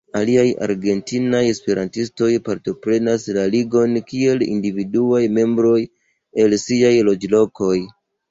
Aliaj argentinaj esperantistoj partoprenas la Ligon kiel individuaj membroj, el siaj loĝlokoj.